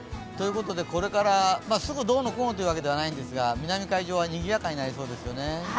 これからすぐどうのこうのではないんですが南海上はにぎやかになりそうですよね。